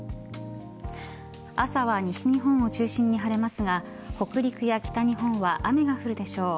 朝は西日本を中心に晴れますが北陸や北日本は雨が降るでしょう。